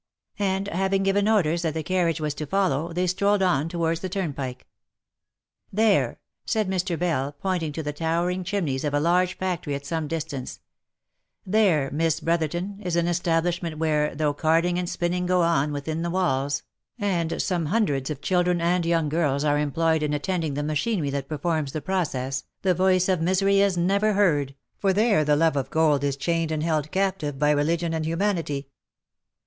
And having given orders that the carriage was to follow, they strolled on towards the turnpike. " There," said Mr. Bell, pointing to the towering chimneys of a large factory at some distance, " there, Miss Brotherton, is an establishment where, though carding and spinning go on within the walls, and some hundreds of children and young girls are employed in attending the ma chinery that performs the process, the voice of misery is never heard, for there the love of gold is chained and held captive by religion and humanity."